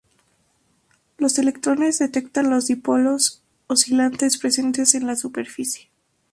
Los electrones detectan los dipolos oscilantes presentes en la superficie.